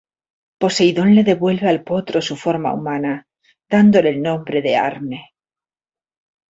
Poseidón le devuelve al potro su forma humana dándole el nombre de Arne.